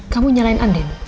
kamu nyalain andin